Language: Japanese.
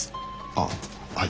ああはい。